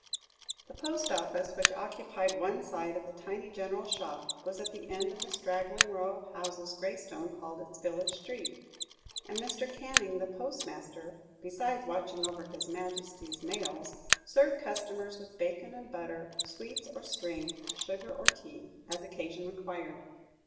The post office, which occupied one side of the tiny general shop, was at the end of the straggling row of houses Graystone called its village street; and Mr. Canning, the postmaster, besides watching over His Majesty's mails, served customers with bacon and butter, sweets or string, sugar or tea, as occasion required.